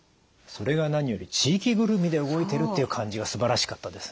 それが何より地域ぐるみで動いてるっていう感じがすばらしかったですね。